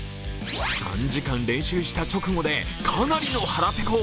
３時間練習した直後でかなりの腹ぺこ。